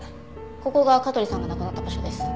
ここが香取さんが亡くなった場所です。